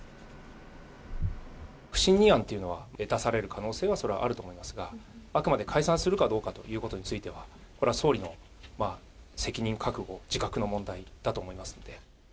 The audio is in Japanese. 不信任案というのは、出される可能性は、それはあると思いますが、あくまで解散するかどうかということについては、これは総理の責任、覚悟、自覚の問題だと思いますので。